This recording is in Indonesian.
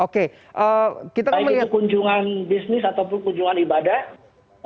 baik itu kunjungan bisnis ataupun kunjungan ibadah